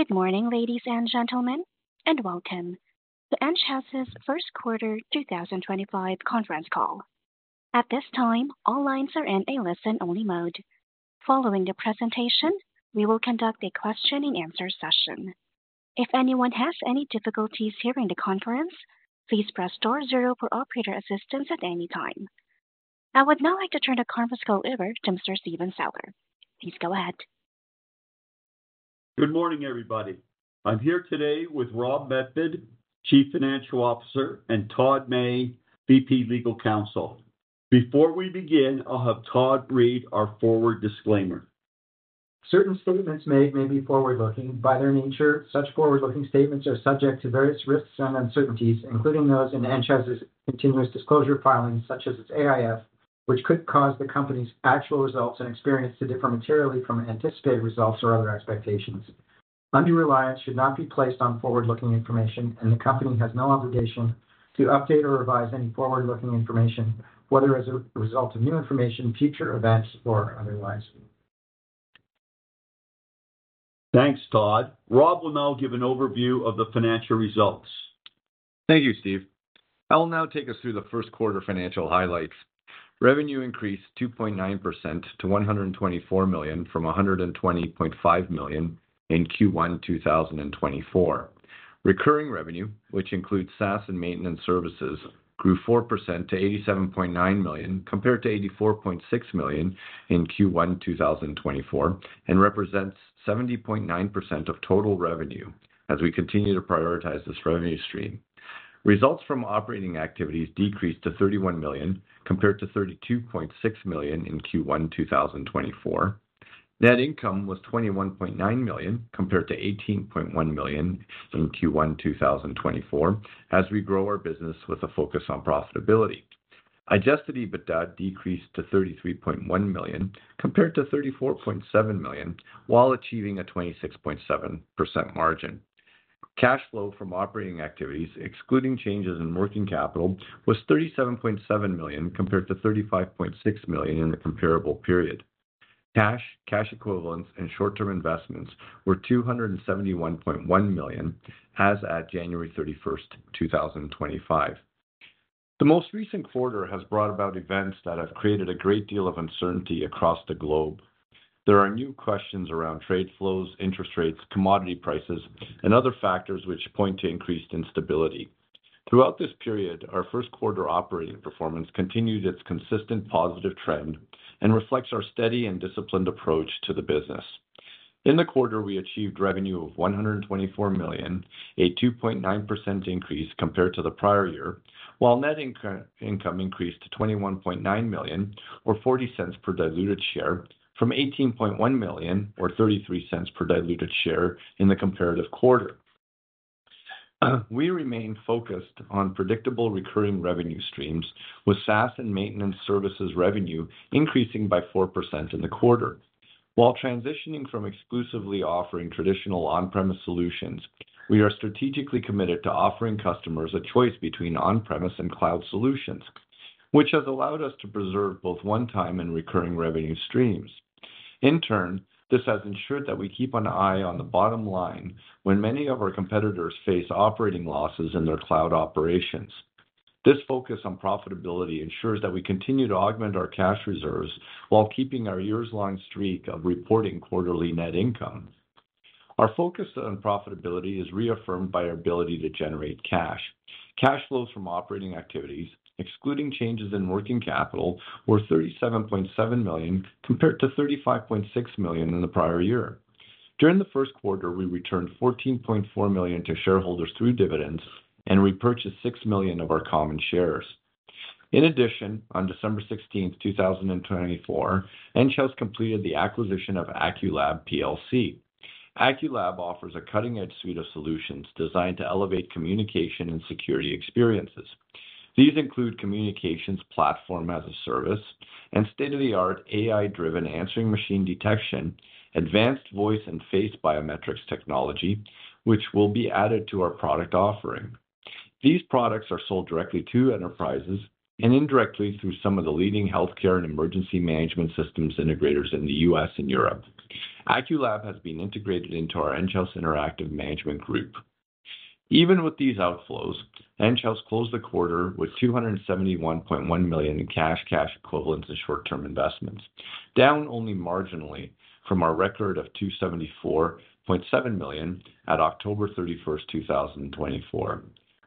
Good morning, ladies and gentlemen, and welcome to Enghouse's First Quarter 2025 conference call. At this time, all lines are in a listen-only mode. Following the presentation, we will conduct a question-and-answer session. If anyone has any difficulties hearing the conference, please press star zero for operator assistance at any time. I would now like to turn the conference call over to Mr. Stephen Sadler. Please go ahead. Good morning, everybody. I'm here today with Rob Medved, Chief Financial Officer, and Todd May, VP Legal Counsel. Before we begin, I'll have Todd read our forward disclaimer. Certain statements made may be forward-looking. By their nature, such forward-looking statements are subject to various risks and uncertainties, including those in Enghouse's continuous disclosure filings, such as its AIF, which could cause the company's actual results and experience to differ materially from anticipated results or other expectations. Undue reliance should not be placed on forward-looking information, and the company has no obligation to update or revise any forward-looking information, whether as a result of new information, future events, or otherwise. Thanks, Todd. Rob will now give an overview of the financial results. Thank you, Steve. I'll now take us through the first quarter financial highlights. Revenue increased 2.9% to 124 million from 120.5 million in Q1 2024. Recurring revenue, which includes SaaS and maintenance services, grew 4% to 87.9 million, compared to 84.6 million in Q1 2024, and represents 70.9% of total revenue as we continue to prioritize this revenue stream. Results from operating activities decreased to 31 million, compared to 32.6 million in Q1 2024. Net income was 21.9 million, compared to 18.1 million in Q1 2024, as we grow our business with a focus on profitability. Adjusted EBITDA decreased to 33.1 million, compared to 34.7 million, while achieving a 26.7% margin. Cash flow from operating activities, excluding changes in working capital, was CAD 37.7 million, compared to CAD 35.6 million in the comparable period. Cash, cash equivalents, and short-term investments were CAD 271.1 million as at January 31st, 2025. The most recent quarter has brought about events that have created a great deal of uncertainty across the globe. There are new questions around trade flows, interest rates, commodity prices, and other factors which point to increased instability. Throughout this period, our first quarter operating performance continued its consistent positive trend and reflects our steady and disciplined approach to the business. In the quarter, we achieved revenue of 124 million, a 2.9% increase compared to the prior year, while net income increased to 21.9 million, or 0.40 per diluted share, from 18.1 million, or 0.33 per diluted share, in the comparative quarter. We remain focused on predictable recurring revenue streams, with SaaS and maintenance services revenue increasing by 4% in the quarter. While transitioning from exclusively offering traditional on-premise solutions, we are strategically committed to offering customers a choice between on-premise and cloud solutions, which has allowed us to preserve both one-time and recurring revenue streams. In turn, this has ensured that we keep an eye on the bottom line when many of our competitors face operating losses in their cloud operations. This focus on profitability ensures that we continue to augment our cash reserves while keeping our years-long streak of reporting quarterly net income. Our focus on profitability is reaffirmed by our ability to generate cash. Cash flows from operating activities, excluding changes in working capital, were 37.7 million, compared to 35.6 million in the prior year. During the first quarter, we returned 14.4 million to shareholders through dividends and repurchased 6 million of our common shares. In addition, on December 16th, 2024, Enghouse completed the acquisition of Aculab PLC. Aculab offers a cutting-edge suite of solutions designed to elevate communication and security experiences. These include Communications Platform as a Service and state-of-the-art AI-driven answering machine detection, advanced voice and face biometrics technology, which will be added to our product offering. These products are sold directly to enterprises and indirectly through some of the leading healthcare and emergency management systems integrators in the U.S. and Europe. Aculab has been integrated into our Enghouse Interactive Management Group. Even with these outflows, Enghouse closed the quarter with 271.1 million in cash, cash equivalents, and short-term investments, down only marginally from our record of 274.7 million at October 31st, 2024.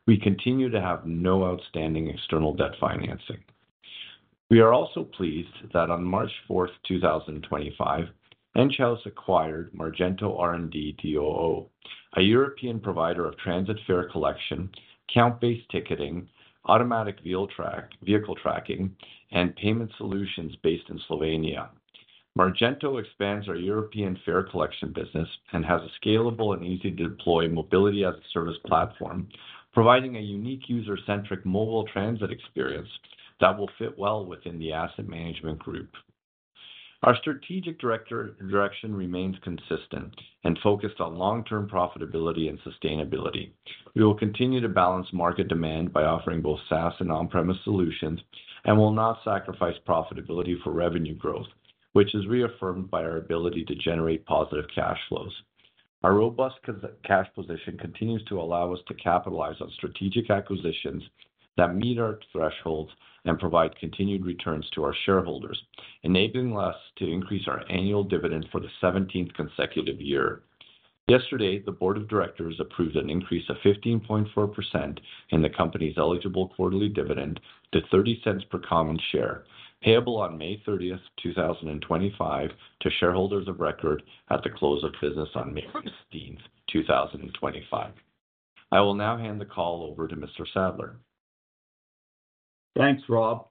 We continue to have no outstanding external debt financing. We are also pleased that on March 4th, 2025, Enghouse acquired Margento R&D d.o.o., a European provider of transit fare collection, account-based ticketing, automatic vehicle tracking, and payment solutions based in Slovenia. Margento expands our European fare collection business and has a scalable and easy-to-deploy Mobility-as-a-Service platform, providing a unique user-centric mobile transit experience that will fit well within the Asset Management Group. Our strategic direction remains consistent and focused on long-term profitability and sustainability. We will continue to balance market demand by offering both SaaS and on-premise solutions and will not sacrifice profitability for revenue growth, which is reaffirmed by our ability to generate positive cash flows. Our robust cash position continues to allow us to capitalize on strategic acquisitions that meet our thresholds and provide continued returns to our shareholders, enabling us to increase our annual dividend for the 17th consecutive year. Yesterday, the Board of Directors approved an increase of 15.4% in the company's eligible quarterly dividend to $0.30 per common share, payable on May 30th, 2025, to shareholders of record at the close of business on May 16th, 2025. I will now hand the call over to Mr. Sadler. Thanks, Rob.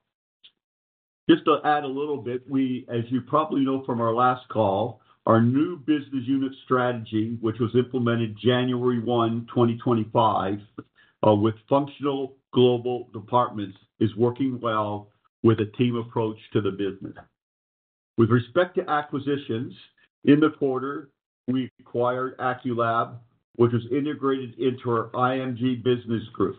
Just to add a little bit, as you probably know from our last call, our new business unit strategy, which was implemented January 1, 2025, with functional global departments, is working well with a team approach to the business. With respect to acquisitions, in the quarter, we acquired Aculab, which was integrated into our IMG Business Group.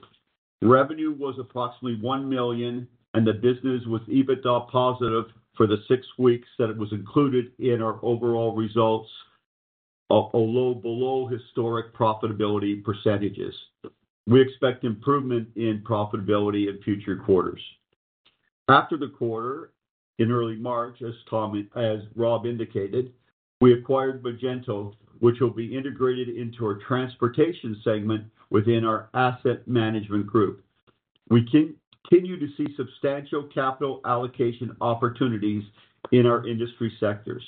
Revenue was approximately 1 million, and the business was EBITDA positive for the six weeks that it was included in our overall results, although below historic profitability percentages. We expect improvement in profitability in future quarters. After the quarter, in early March, as Rob indicated, we acquired Margento, which will be integrated into our transportation segment within our Asset Management Group. We continue to see substantial capital allocation opportunities in our industry sectors.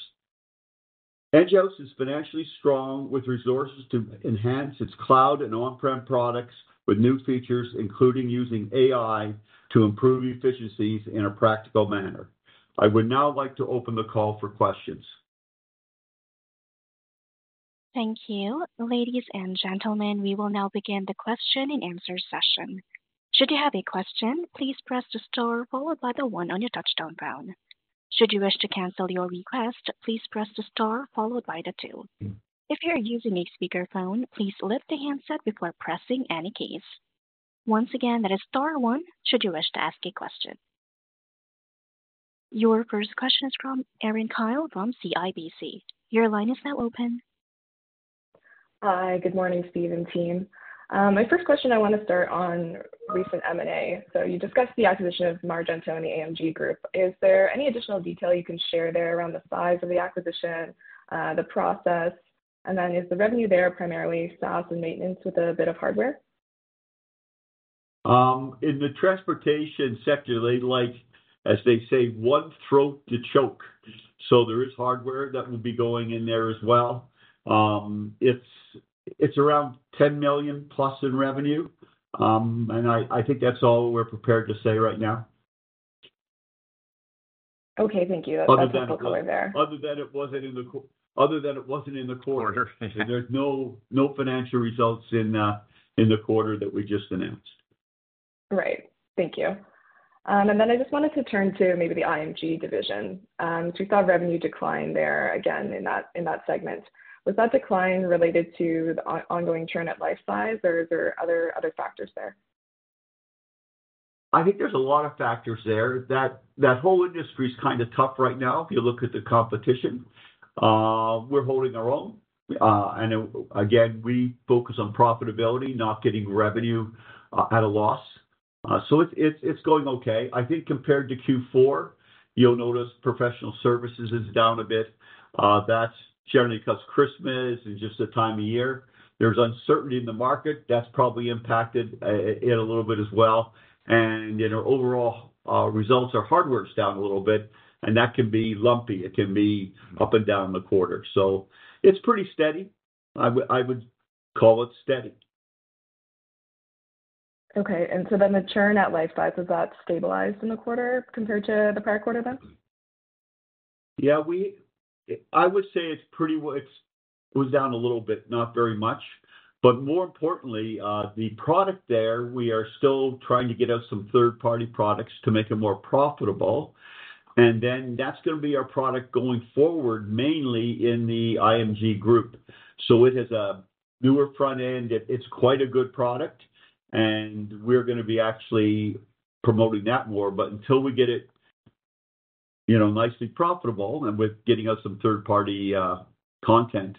Enghouse is financially strong with resources to enhance its cloud and on-prem products with new features, including using AI to improve efficiencies in a practical manner. I would now like to open the call for questions. Thank you. Ladies and gentlemen, we will now begin the question-and-answer session. Should you have a question, please press the star followed by the one on your touch-tone phone. Should you wish to cancel your request, please press the star followed by the two. If you're using a speakerphone, please lift the handset before pressing any keys. Once again, that is star one. Should you wish to ask a question? Your first question is from Erin Kyle from CIBC. Your line is now open. Hi, good morning, Stephen and team. My first question, I want to start on recent M&A. You discussed the acquisition of Margento and the AMG Group. Is there any additional detail you can share there around the size of the acquisition, the process, and then is the revenue there primarily SaaS and maintenance with a bit of hardware? In the transportation sector, they like, as they say, one throat to choke. There is hardware that will be going in there as well. It is around $10 million+ in revenue. I think that is all we are prepared to say right now. Okay. Thank you. That's all I have to cover there. Other than it wasn't in the quarter, there's no financial results in the quarter that we just announced. Right. Thank you. I just wanted to turn to maybe the IMG division. We saw revenue decline there again in that segment. Was that decline related to the ongoing churn at Lifesize, or are there other factors there? I think there's a lot of factors there. That whole industry is kind of tough right now if you look at the competition. We're holding our own. Again, we focus on profitability, not getting revenue at a loss. It's going okay. I think compared to Q4, you'll notice professional services is down a bit. That's generally because Christmas and just the time of year. There's uncertainty in the market. That's probably impacted it a little bit as well. In our overall results, our hardware is down a little bit, and that can be lumpy. It can be up and down the quarter. It's pretty steady. I would call it steady. Okay. So the churn at Lifesize, was that stabilized in the quarter compared to the prior quarter then? Yeah. I would say it's pretty, it was down a little bit, not very much. More importantly, the product there, we are still trying to get us some third-party products to make it more profitable. That is going to be our product going forward, mainly in the IMG Group. It has a newer front end. It's quite a good product, and we're going to be actually promoting that more. Until we get it nicely profitable and with getting us some third-party content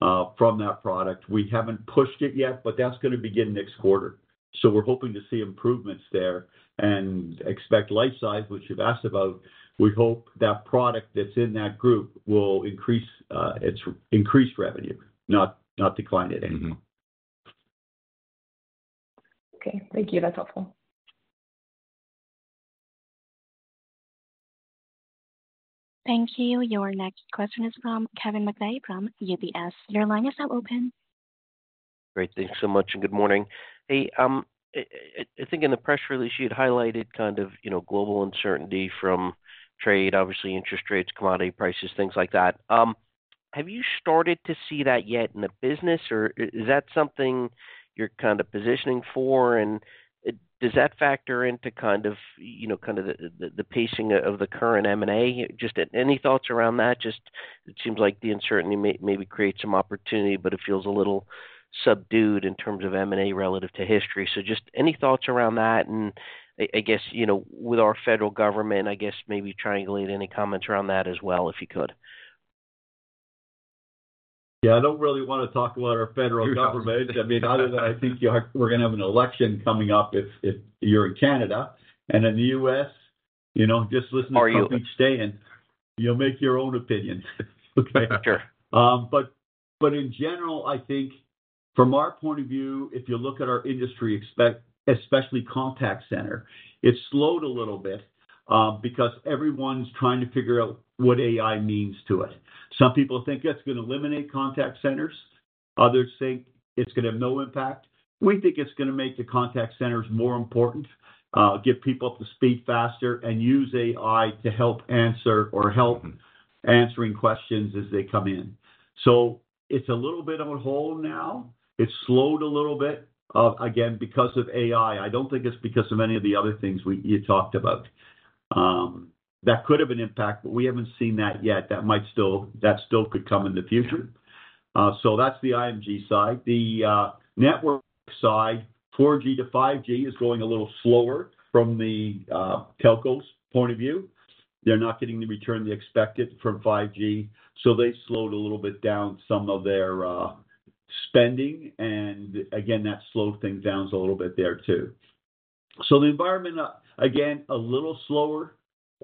from that product, we haven't pushed it yet. That is going to begin next quarter. We are hoping to see improvements there and expect Lifesize, which you've asked about. We hope that product that's in that group will increase its increased revenue, not decline it anymore. Okay. Thank you. That's helpful. Thank you. Your next question is from Kevin McVeigh from UBS. Your line is now open. Great. Thanks so much and good morning. I think in the press release, you had highlighted kind of global uncertainty from trade, obviously interest rates, commodity prices, things like that. Have you started to see that yet in the business, or is that something you're kind of positioning for? Does that factor into kind of the pacing of the current M&A? Any thoughts around that? It seems like the uncertainty maybe creates some opportunity, but it feels a little subdued in terms of M&A relative to history. Any thoughts around that? I guess with our federal government, maybe triangulate any comments around that as well, if you could. Yeah. I don't really want to talk about our federal government. I mean, other than I think we're going to have an election coming up if you're in Canada. In the U.S., just listen to Trump each day and you'll make your own opinion. Okay? Sure. In general, I think from our point of view, if you look at our industry, especially contact center, it's slowed a little bit because everyone's trying to figure out what AI means to it. Some people think it's going to eliminate contact centers. Others think it's going to have no impact. We think it's going to make the contact centers more important, get people up to speed faster, and use AI to help answer or help answering questions as they come in. It's a little bit of a hole now. It's slowed a little bit, again, because of AI. I don't think it's because of any of the other things you talked about. That could have an impact, but we haven't seen that yet. That still could come in the future. That's the IMG side. The network side, 4G-5G, is going a little slower from the telcos' point of view. They're not getting the return they expected from 5G. They slowed a little bit down some of their spending. That slowed things down a little bit there too. The environment, again, a little slower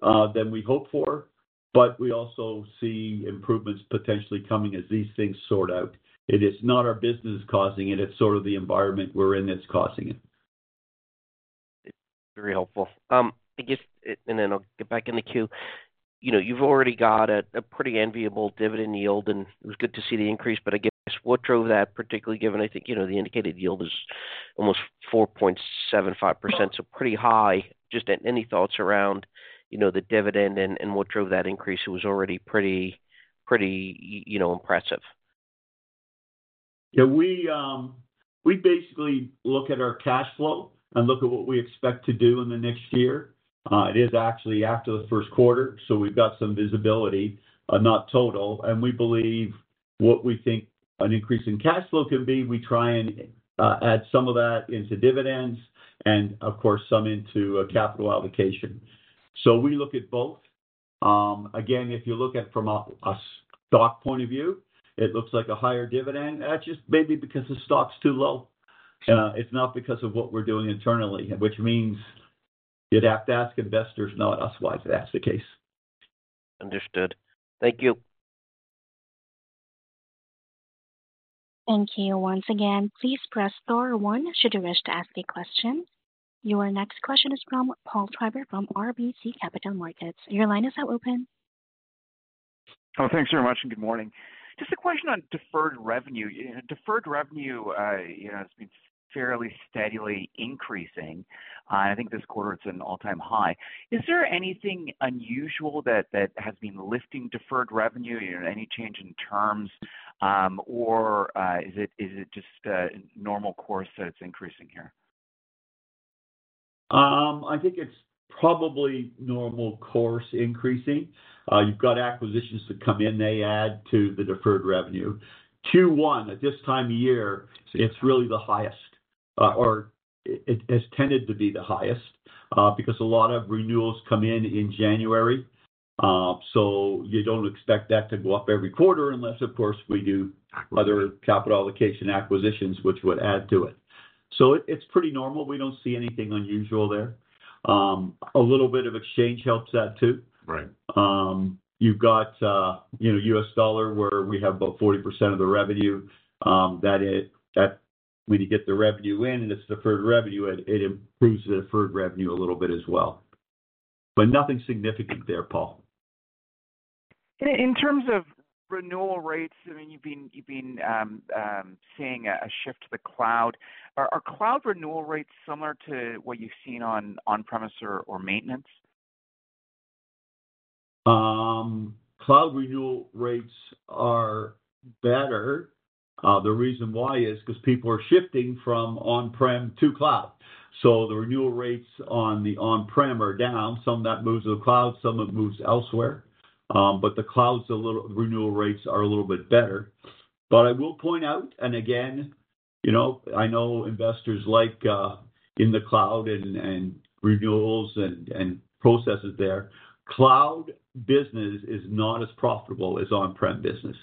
than we hoped for, but we also see improvements potentially coming as these things sort out. It is not our business causing it. It's sort of the environment we're in that's causing it. Very helpful. I guess, and then I'll get back in the queue. You've already got a pretty enviable dividend yield, and it was good to see the increase. I guess what drove that, particularly given I think the indicated yield is almost 4.75%, so pretty high. Just any thoughts around the dividend and what drove that increase? It was already pretty impressive. Yeah. We basically look at our cash flow and look at what we expect to do in the next year. It is actually after the first quarter, so we've got some visibility, not total. We believe what we think an increase in cash flow can be, we try and add some of that into dividends and, of course, some into capital allocation. We look at both. Again, if you look at it from a stock point of view, it looks like a higher dividend. That's just maybe because the stock's too low. It's not because of what we're doing internally, which means you'd have to ask investors, not us, why that's the case. Understood. Thank you. Thank you. Once again, please press star one should you wish to ask a question. Your next question is from Paul Treiber from RBC Capital Markets. Your line is now open. Oh, thanks very much and good morning. Just a question on deferred revenue. Deferred revenue has been fairly steadily increasing. I think this quarter it's an all-time high. Is there anything unusual that has been lifting deferred revenue, any change in terms, or is it just normal course that it's increasing here? I think it's probably normal course increasing. You've got acquisitions that come in, they add to the deferred revenue. Q1 at this time of year, it's really the highest, or it has tended to be the highest because a lot of renewals come in in January. You don't expect that to go up every quarter unless, of course, we do other capital allocation acquisitions, which would add to it. It's pretty normal. We don't see anything unusual there. A little bit of exchange helps that too. You've got U.S. dollar where we have about 40% of the revenue. That when you get the revenue in and it's deferred revenue, it improves the deferred revenue a little bit as well. Nothing significant there, Paul. In terms of renewal rates, I mean, you've been seeing a shift to the cloud. Are cloud renewal rates similar to what you've seen on on-premise or maintenance? Cloud renewal rates are better. The reason why is because people are shifting from on-prem to cloud. The renewal rates on the on-prem are down. Some of that moves to the cloud, some of it moves elsewhere. The cloud's renewal rates are a little bit better. I will point out, and again, I know investors like in the cloud and renewals and processes there. Cloud business is not as profitable as on-prem business.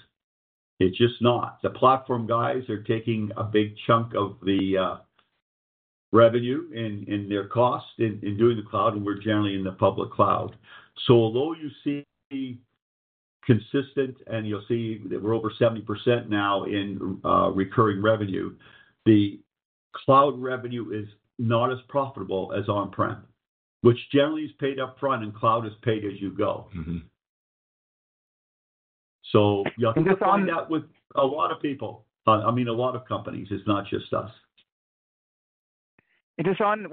It's just not. The platform guys are taking a big chunk of the revenue in their cost in doing the cloud, and we're generally in the public cloud. Although you see consistent, and you'll see that we're over 70% now in recurring revenue, the cloud revenue is not as profitable as on-prem, which generally is paid upfront, and cloud is paid as you go. You'll find that with a lot of people. I mean, a lot of companies. It's not just us. Just on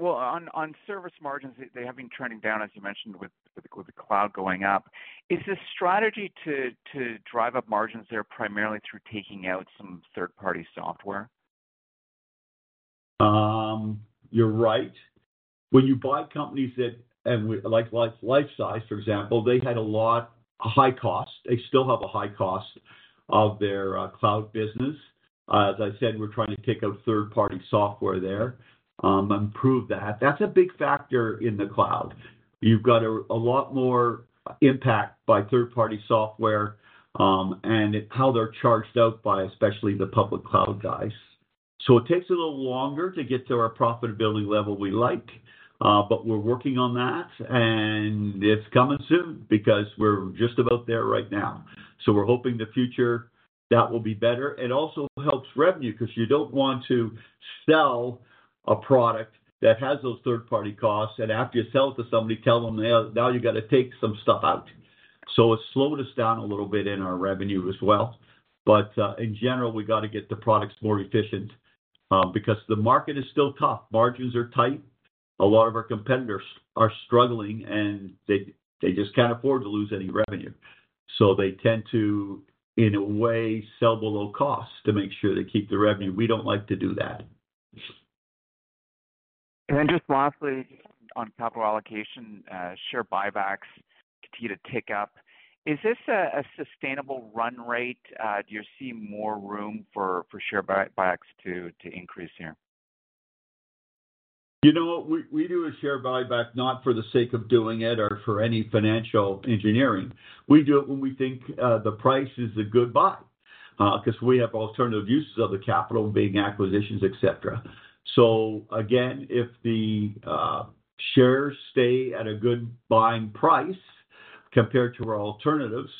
service margins, they have been trending down, as you mentioned, with the cloud going up. Is the strategy to drive up margins there primarily through taking out some third-party software? You're right. When you buy companies that, like Lifesize, for example, they had a lot high cost. They still have a high cost of their cloud business. As I said, we're trying to take out third-party software there, improve that. That's a big factor in the cloud. You've got a lot more impact by third-party software and how they're charged out by especially the public cloud guys. It takes a little longer to get to our profitability level we like, but we're working on that. It's coming soon because we're just about there right now. We're hoping the future that will be better. It also helps revenue because you don't want to sell a product that has those third-party costs. After you sell it to somebody, tell them now you got to take some stuff out. It slowed us down a little bit in our revenue as well. In general, we got to get the products more efficient because the market is still tough. Margins are tight. A lot of our competitors are struggling, and they just can't afford to lose any revenue. They tend to, in a way, sell below cost to make sure they keep the revenue. We don't like to do that. Lastly, on capital allocation, share buybacks continue to tick up. Is this a sustainable run rate? Do you see more room for share buybacks to increase here? You know what? We do a share buyback not for the sake of doing it or for any financial engineering. We do it when we think the price is a good buy because we have alternative uses of the capital being acquisitions, etc. If the shares stay at a good buying price compared to our alternatives,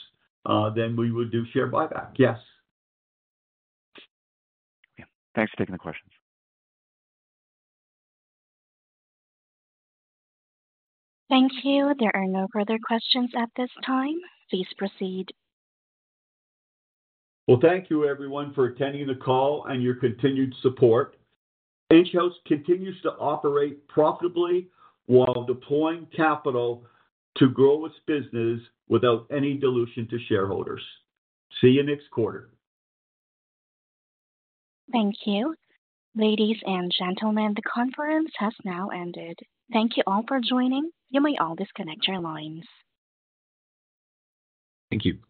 then we would do share buyback, yes. Okay. Thanks for taking the questions. Thank you. There are no further questions at this time. Please proceed. Thank you, everyone, for attending the call and your continued support. Enghouse continues to operate profitably while deploying capital to grow its business without any dilution to shareholders. See you next quarter. Thank you. Ladies and gentlemen, the conference has now ended. Thank you all for joining. You may all disconnect your lines. Thank you.